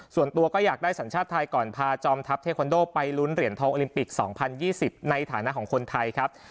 ส่วนตัวก็อยากได้สัญชาติไทยก่อนพาจอมทัพเทคอนโดไปลุ้นเหรียญทองโอลิมปิก๒๐๒๐ในฐานะของคนไทยครับ